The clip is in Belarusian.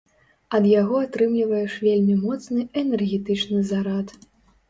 Ад яго атрымліваеш вельмі моцны энергетычны зарад.